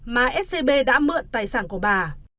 mà scb đã mượn tài sản của bà